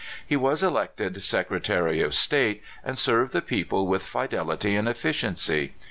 He was elected Secretary of State, and served the peo ple with fidelity and efficiency.